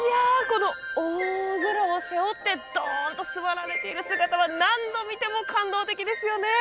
この大空を背負ってドーンと座られている姿は何度見ても感動的ですよね